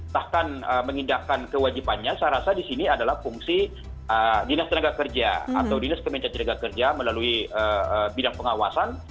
bahkan mengindahkan kewajibannya saya rasa di sini adalah fungsi dinas tenaga kerja atau dinas kementerian tenaga kerja melalui bidang pengawasan